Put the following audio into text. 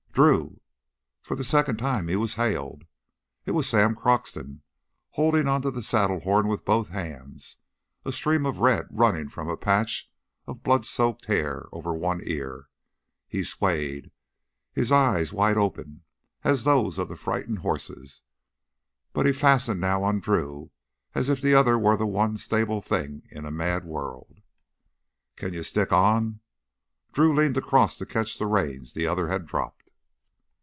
"Drew!" For the second time he was hailed. It was Sam Croxton, holding onto the saddle horn with both hands, a stream of red running from a patch of blood soaked hair over one ear. He swayed, his eyes wide open as those of the frightened horses, but fastened now on Drew as if the other were the one stable thing in a mad world. "Can you stick on?" Drew leaned across to catch the reins the other had dropped.